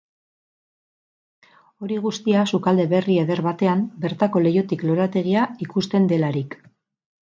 Hori guztia sukalde berri eder batean, bertako leihotik lorategia ikusten delarik.